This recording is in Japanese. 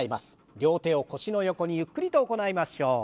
両手を腰の横にゆっくりと行いましょう。